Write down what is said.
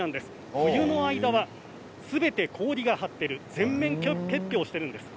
冬の間はすべて氷が張っている全面結氷しているんです。